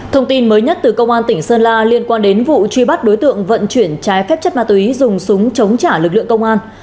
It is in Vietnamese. thông tin mới nhất từ công an tỉnh sơn la liên quan đến vụ truy bắt đối tượng vận chuyển trái phép chất ma túy dùng súng chống trả lực lượng công an